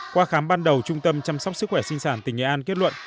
qua khám ban đầu trung tâm chăm sóc sức khỏe sinh sản tỉnh nghệ an kết luận